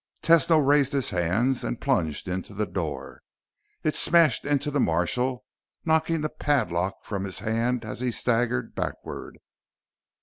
Tesno raised his hands and plunged into the door. It smashed into the marshal, knocking the padlock from his hand as he staggered backward.